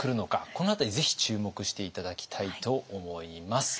この辺りぜひ注目して頂きたいと思います。